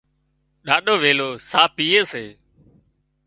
ڏاڏو ويلِي ساهَه پيئي سي